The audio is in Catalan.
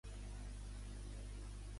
Quina característica representava Spes?